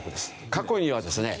過去にはですね